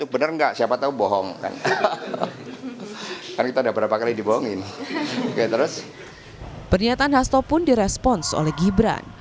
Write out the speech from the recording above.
pernyataan hasto pun di respons oleh gibran